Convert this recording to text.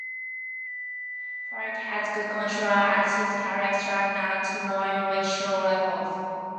Foulke has good control, as his career strikeout-to-walk ratio reveals.